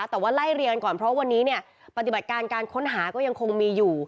แต่ว่าไล่เรียนก่อนเพราะวันนี้เนี่ยปฏิบัติการการค้นหาก็ยังคงมีอยู่